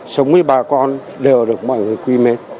sống với bà con đều được mọi người quý mến